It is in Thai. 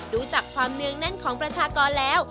ดูจากความนึงนั้นของประชากรแล้ว